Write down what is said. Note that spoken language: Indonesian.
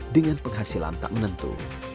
dengan penghasilan tak menentu